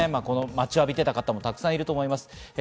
待ちわびていた方もたくさんいると思います。